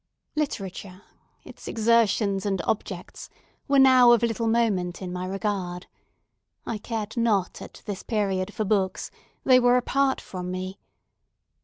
Literature, its exertions and objects, were now of little moment in my regard. I cared not at this period for books; they were apart from me.